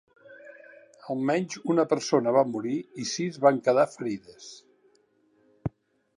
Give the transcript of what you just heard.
Almenys una persona va morir i sis van quedar ferides.